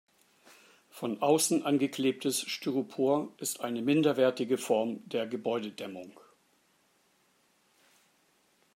Von außen angeklebtes Styropor ist eine minderwertige Form der Gebäudedämmung.